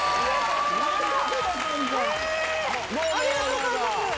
えー、ありがとうございます。